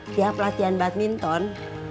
tiap latihan badminton